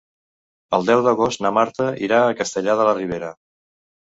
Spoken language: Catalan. El deu d'agost na Marta irà a Castellar de la Ribera.